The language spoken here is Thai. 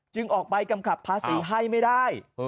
ออกใบกำกับภาษีให้ไม่ได้